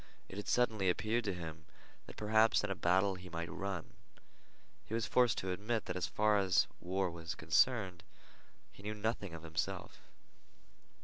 It had suddenly appeared to him that perhaps in a battle he might run. He was forced to admit that as far as war was concerned he knew nothing of himself.